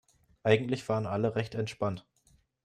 Eigentlich waren alle recht entspannt.